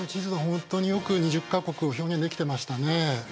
本当によく２０か国を表現できてましたね。